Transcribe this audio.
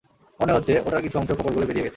মনে হচ্ছে, ওটার কিছু অংশ ফোকর গলে বেরিয়ে গেছে।